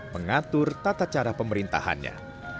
mengatur tata cara pemerintahannya